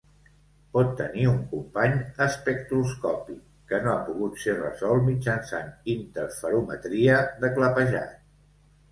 Pot tenir un company espectroscòpic que no ha pogut ser resolt mitjançant interferometria de clapejat.